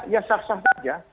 ya sah sah saja